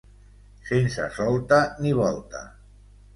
Sense solta ni volta.